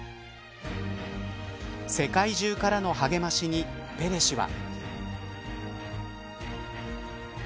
世界中からの励ましにペレ氏は。